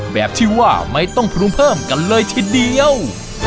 แบบที่ว่าไม่ต้องปรุงเพิ่มกันเลยทีเดียว